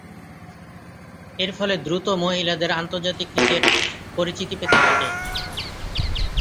এরফলে দ্রুত মহিলাদের আন্তর্জাতিক ক্রিকেট পরিচিতি পেতে থাকে।